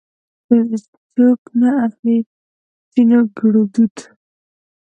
اوس دې چوک نه اخليں؛ ترينو ګړدود